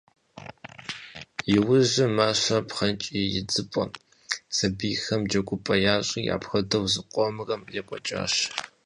Иужьым мащэр пхъэнкӏий идзыпӏэ, сабийхэми джэгупӏэ ящӏри, апхуэдэу зыкъомрэ екӏуэкӏащ.